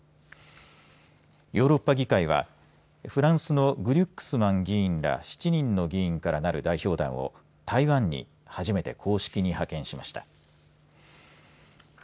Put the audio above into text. ヨーロッパ議会はフランスのグリュックスマン議員ら７人の議員からなる代表団を台湾に初めて公式に派遣しました。